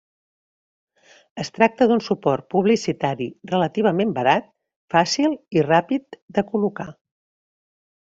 Es tracta d'un suport publicitari relativament barat, fàcil i ràpid de col·locar.